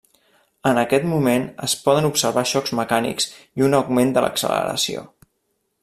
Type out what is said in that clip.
En aquest moment es poden observar xocs mecànics i un augment de l'acceleració.